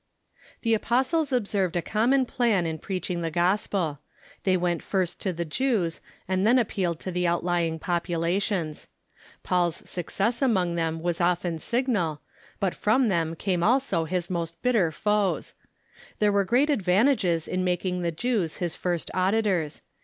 The apostles observed a common plan in preaching the gospel. They Avent first to the Jcavs, and then appealed to the outlvino' populations. Paul's success among Jewish Colonies ,' "r, • i i ^• ^i i them Avas often signal, but Irora them came also his most bitter foes. There Avcre great advantages in making the JcAVS his first auditors.